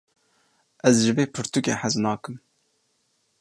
Ez ji vê pirtûkê hez nakim.